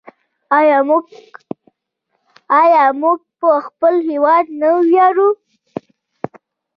آیا موږ په خپل هیواد نه ویاړو؟